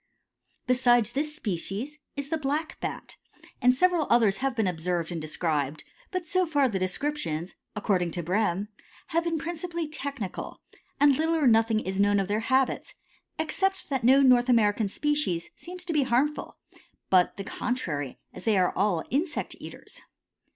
Besides this species is the Black Bat, and several others have been observed and described, but so far the descriptions, according to Brehm, have been principally technical, and little or nothing is known of their habits, except that no North American species seems to be harmful, but the contrary, as they are all insect eaters.